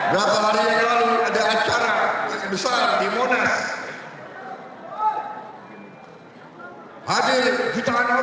berapa hari yang lalu ada akar di kota timur